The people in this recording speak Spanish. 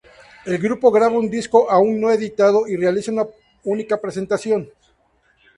El grupo graba un disco, aún no editado, y realiza una única presentación.